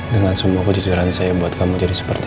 yang ngebuat kehidupan aku joyla